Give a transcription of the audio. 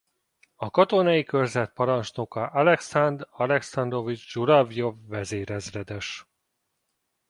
A katonai körzet parancsnoka Alekszandr Alekszandrovics Zsuravljov vezérezredes.